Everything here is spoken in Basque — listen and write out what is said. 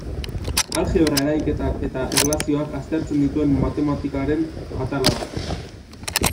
Aljebra eragiketak eta erlazioak aztertzen dituen matematikaren atala da.